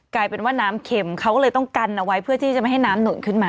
กลายเป็นว่าน้ำเข็มเขาก็เลยต้องกันเอาไว้เพื่อที่จะไม่ให้น้ำหนุนขึ้นมา